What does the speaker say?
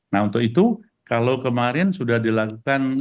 nah untuk itu kalau kemarin sudah dilakukan